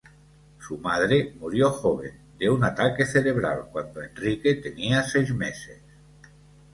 Su madre murió joven, de un ataque cerebral, cuando Enrique tenía seis meses.